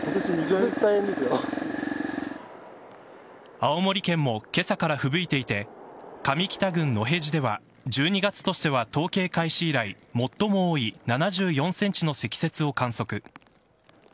青森県も今朝からふぶいていて上北郡野辺地では１２月としては統計開始以来、最も多い７４ｃｍの積雪を観測。